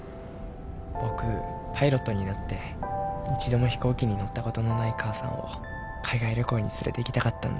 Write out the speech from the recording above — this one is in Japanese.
僕パイロットになって一度も飛行機に乗ったことのない母さんを海外旅行に連れていきたかったんだ。